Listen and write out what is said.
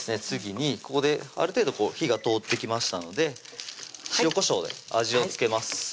次にここである程度火が通ってきましたので塩・こしょうで味を付けます